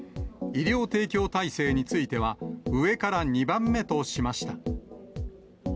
医療提供体制については、上から２番目としました。